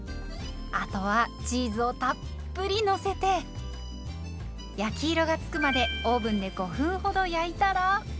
あとはチーズをたっぷりのせて焼き色がつくまでオーブンで５分ほど焼いたら。